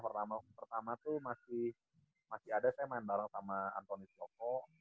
pertama pertama tuh masih masih ada saya main bareng sama antonis joko